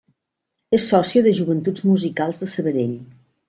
És sòcia de Joventuts Musicals de Sabadell.